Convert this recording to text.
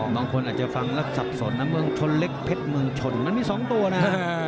บางคนอาจจะฟังแล้วสับสนนะเมืองชนเล็กเพชรเมืองชนมันมี๒ตัวนะ